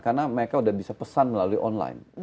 karena mereka sudah bisa pesan melalui online